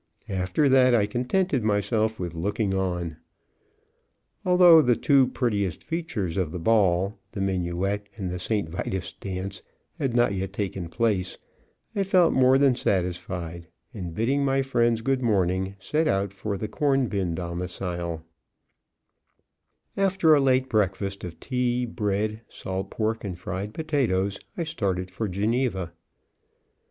After that I contented myself with looking on. Although the two prettiest features of the ball the Minuette and the St. Vitus Dance had not yet taken place, I felt more than satisfied, and bidding my friends good morning, set out for the Cornbin domicile. After a late breakfast of tea, bread, salt pork and fried potatoes, I started for Geneva.